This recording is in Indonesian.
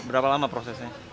berapa lama prosesnya